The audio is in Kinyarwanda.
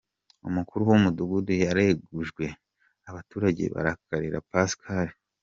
Umukuru w’umudugudu yaregujwe , abaturage barakarira Pascal .